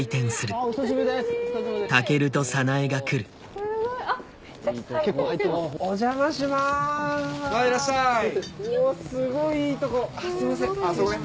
あっすいません。